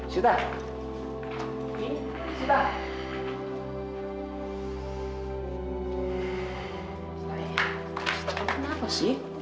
sita apa sih